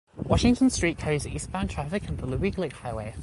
Washington Street carries eastbound traffic and the Louis Glick Highway.